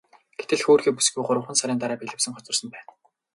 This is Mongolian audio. Гэтэл хөөрхий бүсгүй гуравхан сарын дараа бэлэвсрэн хоцорсон байна.